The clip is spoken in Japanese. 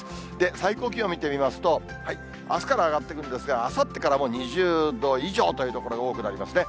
最高気温見てみますと、あすから上がってくるんですが、あさってからもう２０度以上という所が多くなりますね。